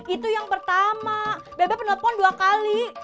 itu yang pertama bebep telepon dua kali